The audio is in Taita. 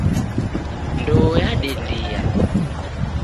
Ndoo yadendia